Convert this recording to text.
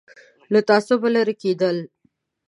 له تعصبه لرې کېدل ده.